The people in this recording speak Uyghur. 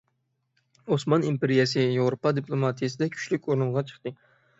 ئوسمان ئىمپېرىيەسى ياۋروپا دىپلوماتىيەسىدە كۈچلۈك ئورۇنغا چىقتى.